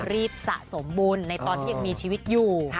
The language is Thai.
สะสมบุญในตอนที่ยังมีชีวิตอยู่